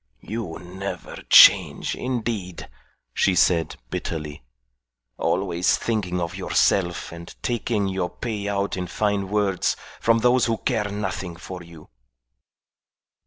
"You never change, indeed," she said, bitterly. "Always thinking of yourself and taking your pay out in fine words from those who care nothing for you."